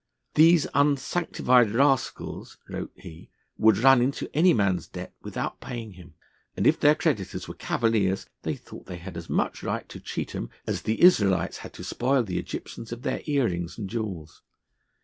'These unsanctified rascals,' wrote he, 'would run into any man's debt without paying him, and if their creditors were Cavaliers they thought they had as much right to cheat 'em, as the Israelites had to spoil the Egyptians of their ear rings and jewels.'